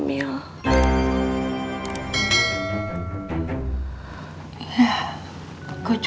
gak pernah atau